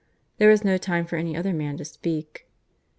There was no time for any other man to speak.